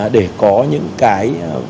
để có những cái